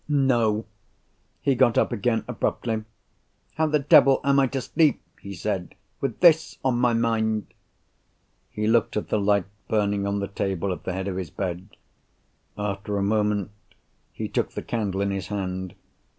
No! He got up again abruptly. "How the devil am I to sleep," he said, "with this on my mind?" He looked at the light, burning on the table at the head of his bed. After a moment, he took the candle in his hand.